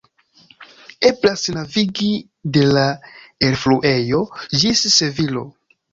Eblas navigi de la elfluejo ĝis Sevilo.